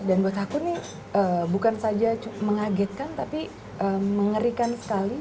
dan buat aku ini bukan saja mengagetkan tapi mengerikan sekali